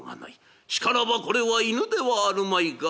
しからばこれは犬ではあるまいが」。